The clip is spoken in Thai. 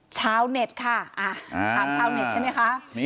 ชาวเน็ตค่ะถามชาวเน็ตใช่ไหมคะ